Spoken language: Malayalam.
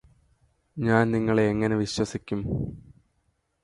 ഞാന് നിങ്ങളെ എങ്ങനെ വിശ്വസിക്കും